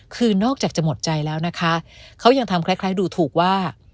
คือนอกจากจะหมดใจแล้วนะคะเขายังทำคล้ายดูถูกว่า